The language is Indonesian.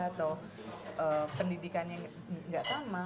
atau pendidikannya gak sama